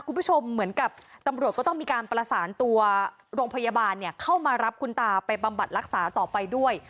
คุณผู้ชมเหมือนกับตำรวจก็ต้องมีการประสานตัวโรงพยาบาลเข้ามารับคุณตาไปบำบัดรักษาต่อไปด้วย